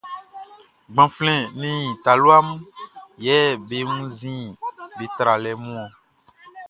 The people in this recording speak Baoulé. Gbanflɛn nin talua mun yɛ be wunnzin be tralɛ mun ɔn.